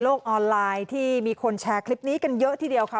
ออนไลน์ที่มีคนแชร์คลิปนี้กันเยอะทีเดียวค่ะ